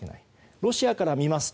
ロシアから見ますと